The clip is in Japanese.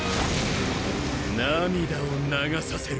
涙を流させる。